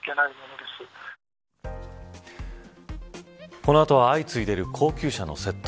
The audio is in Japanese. この後は相次いでいる高級車の窃盗。